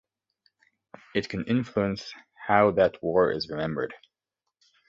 It can influence how that war is remembered.